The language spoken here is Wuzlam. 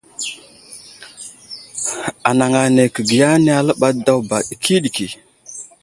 Anaŋ ane kəbiya ane aləɓay daw ba ɗikiɗiki.